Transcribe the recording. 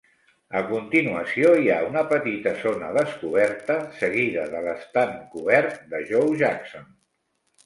A continuació, hi ha una petita zona descoberta seguida de l'estand cobert de Joe Jackson.